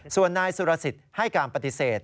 ส่วนนายสุรสิทธิ์ให้การปฏิเสธ